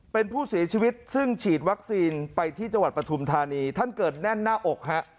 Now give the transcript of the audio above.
เป็นผู้เสียชีวิตซึ่งฉีดวัคซีนไปที่จังหวัดปฐุมธานีท่านเกิดแน่นหน้าอกฮะ